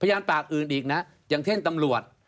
ยานปากอื่นอีกนะอย่างเช่นตำรวจ